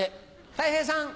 たい平さん。